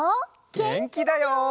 げんきだよ。